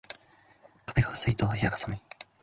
壁が薄いと部屋が寒い